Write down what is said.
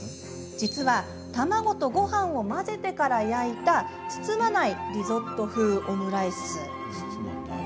実は卵とごはんを混ぜてから焼いた包まないリゾット風オムライス。